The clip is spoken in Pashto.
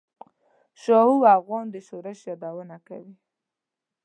شاهو افغان د شورش یادونه کوي.